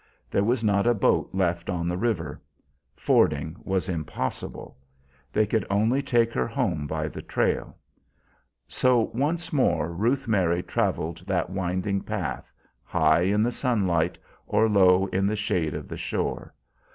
There was not a boat left on the river; fording was impossible. They could only take her home by the trail. So once more Ruth Mary traveled that winding path, high in the sunlight or low in the shade of the shore.